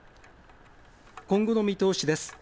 今後の見通しです。